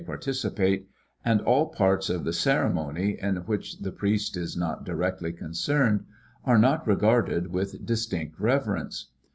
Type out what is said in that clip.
89 ticipate, and all parts of the ceremony in which the priest is not directly concerned are not regarded with distinct reverence.